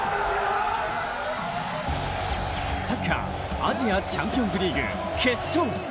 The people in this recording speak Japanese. サッカー、アジアチャンピオンズリーグ決勝。